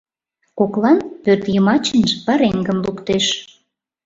— Коклан пӧртйымачынже пареҥгым луктеш.